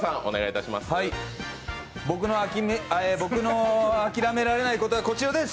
僕のあきらめられない物はこちらです。